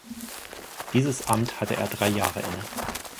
Dieses Amt hatte er drei Jahre inne.